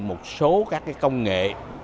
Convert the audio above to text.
một số các công nghệ